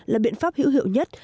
là biện pháp hữu hiệu nhất